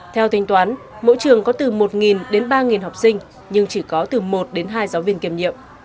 theo tính toán mỗi trường có từ một đến ba học sinh nhưng chỉ có từ một đến hai giáo viên kiêm nhiệm